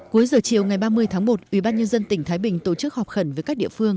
cuối giờ chiều ngày ba mươi tháng một ủy ban nhân dân tỉnh thái bình tổ chức họp khẩn với các địa phương